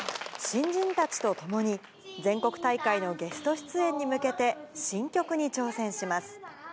新人たちと共に全国大会のゲスト出演に向けて、新曲に挑戦します。